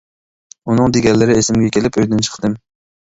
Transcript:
ئۇنىڭ دېگەنلىرى ئېسىمگە كېلىپ، ئۆيدىن چىقتىم.